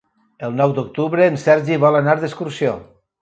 El nou d'octubre en Sergi vol anar d'excursió.